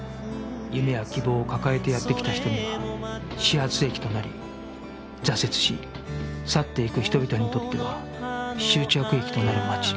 夢や希望を抱えてやって来た人には始発駅となり挫折し去っていく人々にとっては終着駅となる街